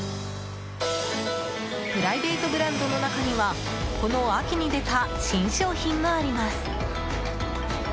プライベートブランドの中にはこの秋に出た新商品もあります。